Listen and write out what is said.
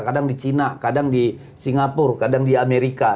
kadang di china kadang di singapura kadang di amerika